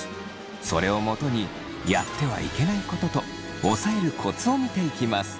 それをもとにやってはいけないこととおさえるコツを見ていきます。